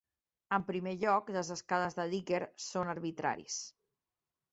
En primer lloc, les escales de Likert són arbitraris.